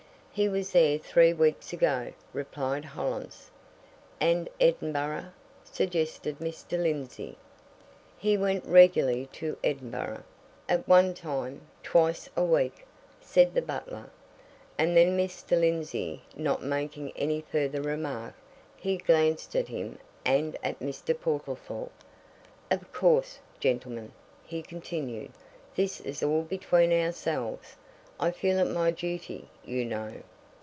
"He was there three weeks ago," replied Hollins. "And Edinburgh?" suggested Mr. Lindsey. "He went regularly to Edinburgh at one time twice a week," said the butler. And then, Mr. Lindsey not making any further remark, he glanced at him and at Mr. Portlethorpe. "Of course, gentlemen," he continued, "this is all between ourselves. I feel it my duty, you know."